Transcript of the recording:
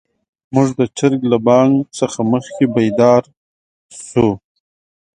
موږ د چرګ له بانګ نه مخکې بيدار شوو.